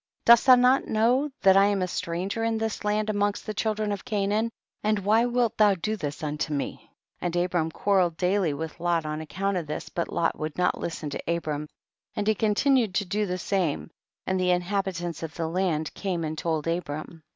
Dost thou not know that I am a stranger in this land amongst the children of Canaan, and why wilt thou do this unto me ? 40. And Abram quarrelled daily with Lot on account of this, but Lot would not listen to Abram, and he continued to do the same and the in habitants of the land came and told Abram.